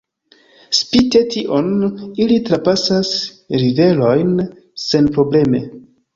Spite tion, ili trapasas riverojn senprobleme.